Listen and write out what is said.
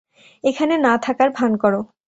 এখানে না থাকার ভান করো।